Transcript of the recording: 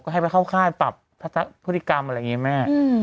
ให้ไปเข้าค่ายปรับพฤติกรรมอะไรอย่างนี้แม่